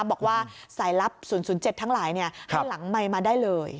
บอกว่าสายลับ๐๐๗ทั้งหลายให้หลังไมค์มาได้เลย